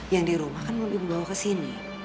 yang di rumah kan belum ibu bawa kesini